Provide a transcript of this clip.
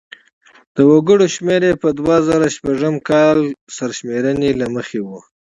د وګړو شمېر یې په دوه زره شپږم کال سرشمېرنې له مخې و.